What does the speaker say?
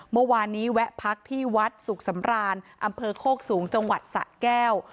เมื่อวานนี้แวะพักที่วัดสุขสำรานอำเภอโคกสูงจังหวัดสะแก้ว